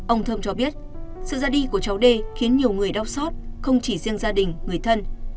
ông thơm cho biết sự ra đi của cháu đê khiến nhiều người đau xót không chỉ riêng gia đình người thân